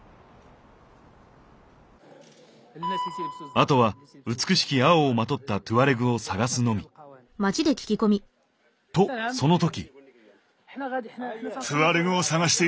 あとは美しき青を纏ったトゥアレグを探すのみ。とその時！